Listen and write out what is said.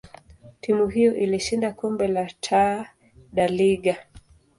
timu hiyo ilishinda kombe la Taa da Liga.